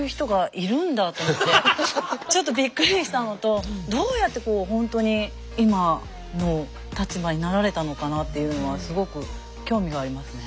ちょっとびっくりしたのとどうやってほんとに今の立場になられたのかなっていうのはすごく興味がありますね。